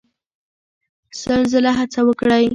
سل ځله هڅه وکړئ.